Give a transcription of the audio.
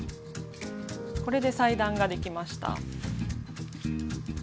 これで裁断ができました。